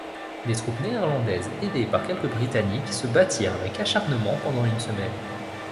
Des troupes néerlandaises aidées par quelques Britanniques se battirent avec acharnement pendant une semaine.